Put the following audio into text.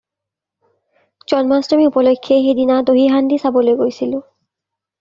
জন্মাষ্টমি উপলক্ষে সেইদিনা দহী হান্দি চাবলৈ গৈছিলোঁ।